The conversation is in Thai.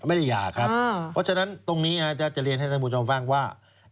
หย่าครับเพราะฉะนั้นตรงนี้จะเรียนให้ท่านผู้ชมฟังว่า